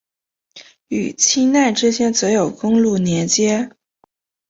与钦奈之间则有公路连接。